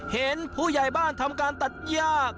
เห็นผู้ใหญ่บ้านทำการตัดยาก